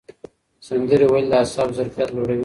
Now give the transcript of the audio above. سندرې ویل د اعصابو ظرفیت لوړوي.